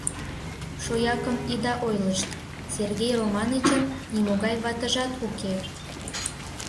— Шоякым ида ойлышт, Сергей Романычын нимогай ватыжат уке...